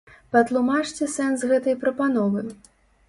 Патлумачце сэнс гэтай прапановы.